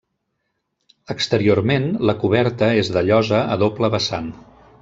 Exteriorment, la coberta és de llosa a doble vessant.